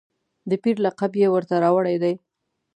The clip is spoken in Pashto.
د پیر لقب یې ورته راوړی دی.